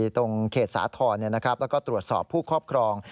ตรงเขตสาธรณ์แล้วก็ตรวจสอบผู้ครอบครอง